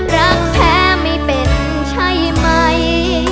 รักแท้ไม่เป็นใช่ไหม